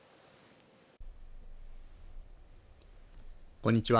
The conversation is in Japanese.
こんにちは。